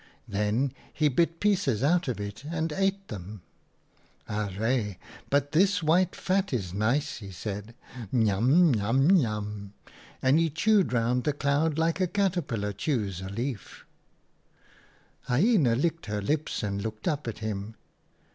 Then he bit pieces out of it, and ate them. "' Arre* ! but this white fat is nice,' he said. 44 OUTA KAREL'S STORIES 1 N yum, n yum, n yum,' and he chewed round the cloud like a caterpillar chews a leaf. " Hyena licked her lips and looked up at him.